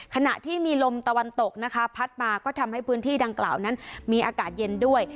ขณะที่มีลมตะวันตกนะคะพัดมาก็ทำให้พื้นที่ดังกล่าวนั้นมีอากาศเย็นด้วย